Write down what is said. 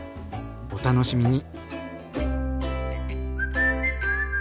お楽しみに！